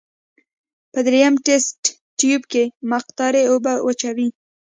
په دریم تست تیوب کې مقطرې اوبه واچوئ.